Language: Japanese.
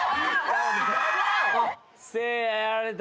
せいややられた。